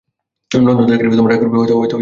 নন্দ থাকিলে রাগ করিবে, হয়তো অপমানও করিবে।